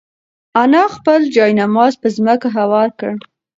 انا خپل جاینماز په ځمکه هوار کړ.